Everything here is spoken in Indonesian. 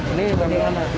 ini pakai yang lama